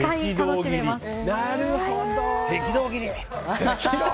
赤道切り！